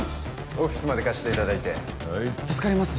オフィスまで貸していただいて助かります